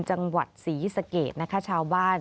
จังหวัดศรีสะเกดนะคะชาวบ้าน